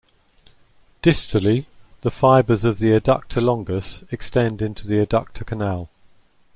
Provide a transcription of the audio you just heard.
Distally, the fibers of the adductor longus extend into the adductor canal.